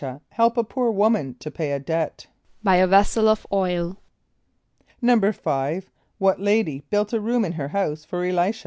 a] help a poor woman to pay a debt? =By a vessel of oil.= =5.= What lady built a room in her house for [+E] l[=i]´sh[.